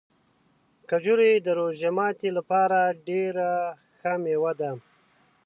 کجورې د روژه ماتي لپاره ډېره ښه مېوه ده.